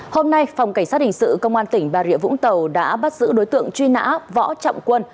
hôm nay phòng cảnh sát hình sự công an tỉnh bà rịa vũng tàu đã bắt giữ đối tượng truy nã võ trọng quân